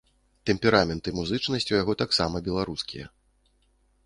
Тэмперамент і музычнасць у яго таксама беларускія.